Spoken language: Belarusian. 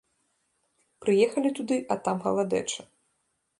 Прыехалі туды, а там галадэча.